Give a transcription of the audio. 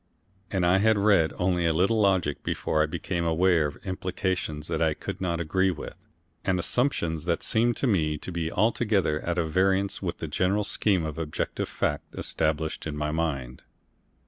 And I had read only a little logic before I became aware of implications that I could not agree with, and assumptions that seemed to me to be altogether at variance with the general scheme of objective fact established in my mind.